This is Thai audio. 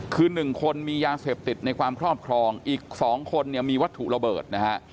คือ๑คนมียาเสพติดในความครอบครองอีก๒คนเนี่ยมีวัตถุระเบิดนะฮะ